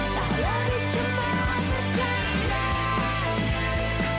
tak lagi cuma berjalan